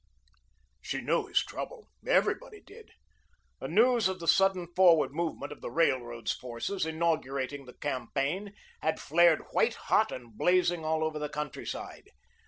She knew his trouble. Everybody did. The news of the sudden forward movement of the Railroad's forces, inaugurating the campaign, had flared white hot and blazing all over the country side.